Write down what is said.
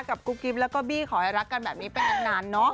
กุ๊กกิ๊บแล้วก็บี้ขอให้รักกันแบบนี้ไปนานเนอะ